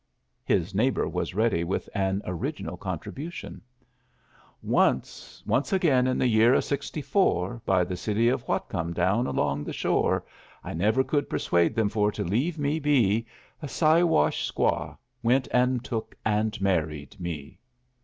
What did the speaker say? His neighbor was ready with an original contribution: "Once, once again in the year o' '64, By the city of Whatcom down along the shore I never could persuade them for to leave me be A Siwash squaw went and took and married me."